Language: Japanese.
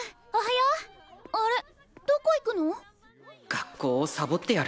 学校をサボってやる。